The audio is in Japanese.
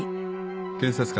検察官。